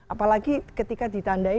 apalagi ketika ditandai